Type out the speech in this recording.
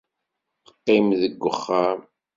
Qqim deg wexxam.